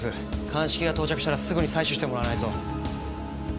鑑識が到着したらすぐに採取してもらわないと。